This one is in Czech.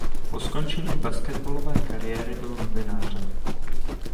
Po skončení basketbalové kariéry byl novinářem.